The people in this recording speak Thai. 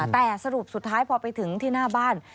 แต่สรุปสุดท้ายพอไปถึงที่หน้าบ้าน